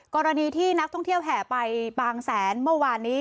กรณีที่นักท่องเที่ยวแห่ไปบางแสนเมื่อวานนี้